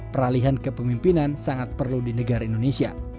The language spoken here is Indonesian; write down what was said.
peralihan kepemimpinan sangat perlu di negara indonesia